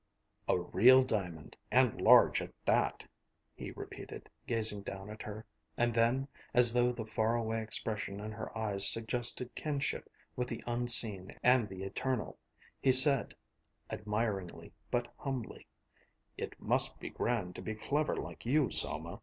"A real diamond, and large at that," he repeated, gazing down at her, and then, as though the far away expression in her eyes suggested kinship with the unseen and the eternal, he said, admiringly but humbly, "It must be grand to be clever like you, Selma.